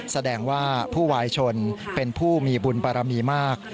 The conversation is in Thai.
แสดงว่าผู้วายชนเป็นผู้มีบุญบารมีมาก